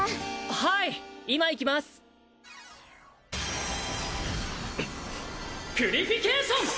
はい今行きますピュリフィケイション！